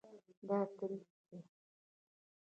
دا تریخ دی